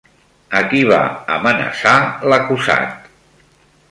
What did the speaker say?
A qui va amenaçar l'acusat?